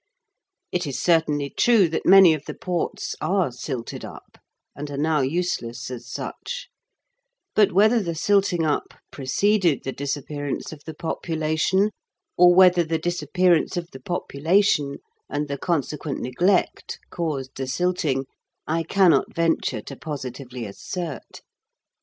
It is certainly true that many of the ports are silted up, and are now useless as such, but whether the silting up preceded the disappearance of the population, or whether the disappearance of the population, and the consequent neglect caused the silting, I cannot venture to positively assert.